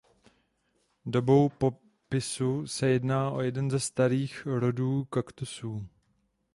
Dobou popisu se jedná o jeden ze starých rodů kaktusů.